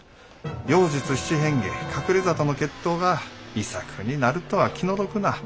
「妖術七変化隠れ里の決闘」が遺作になるとは気の毒な。